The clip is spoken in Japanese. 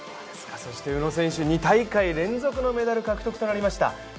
そして宇野選手、２大会連続のメダル獲得となりました。